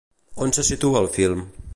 On se situa el film?